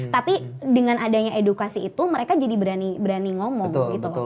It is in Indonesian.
tapi dengan adanya edukasi itu mereka jadi berani ngomong gitu